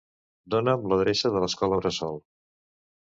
Dona'm l'adreça de l'escola bressol.